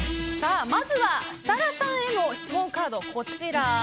まずは設楽さんへの質問カード。